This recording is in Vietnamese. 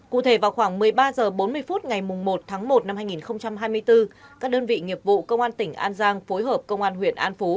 cụ thể vào khoảng một mươi ba h bốn mươi phút ngày một tháng một năm hai nghìn hai mươi bốn các đơn vị nghiệp vụ công an tỉnh an giang phối hợp công an huyện an phú